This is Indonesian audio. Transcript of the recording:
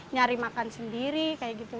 nyari makan sendiri kayak gitu